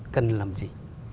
cần làm gì